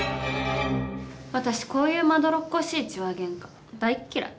私こういうまどろっこしい痴話げんか大っ嫌い。